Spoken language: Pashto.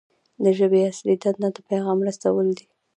د ژبې اصلي دنده د پیغام رسول دي.